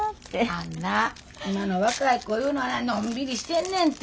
あんな今の若い子いうのはなのんびりしてんねんて。